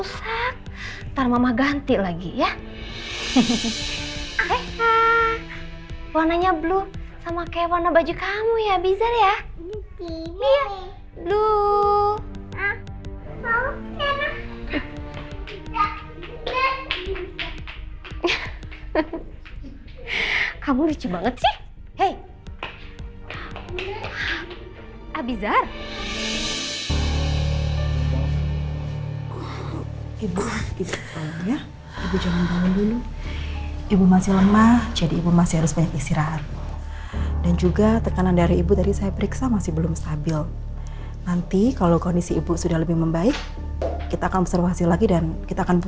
soalnya kan beberapa meeting terakhir ya saya cuma ingin ketemu di suasana aja